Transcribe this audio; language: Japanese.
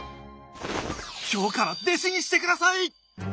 今日から弟子にしてください！